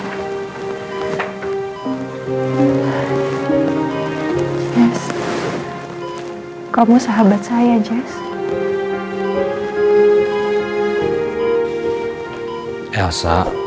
jess kamu sahabat saya jess